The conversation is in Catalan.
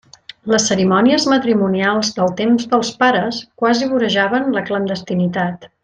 Les cerimònies matrimonials del temps dels pares quasi vorejaven la clandestinitat.